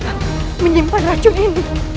kenapa menyimpan racun ini